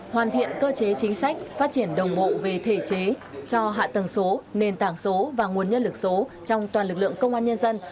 hoàn thiện cơ chế chính sách phát triển đồng bộ về thể chế cho hạ tầng số nền tảng số và nguồn nhân lực số trong toàn lực lượng công an nhân dân